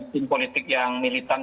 team politik yang militan